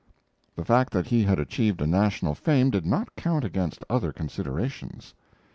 The fact that he had achieved a national fame did not count against other considerations.